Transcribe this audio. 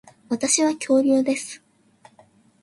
私は恐竜です